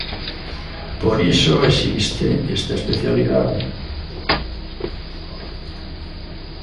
Por iso existe esta especialidade.